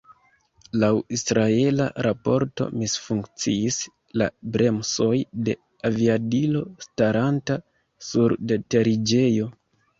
Laŭ israela raporto misfunkciis la bremsoj de aviadilo staranta sur deteriĝejo.